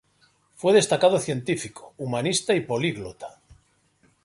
Fue destacado científico, humanista y políglota.